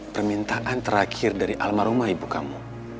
permintaan terakhir dari almarhumah ibu kamu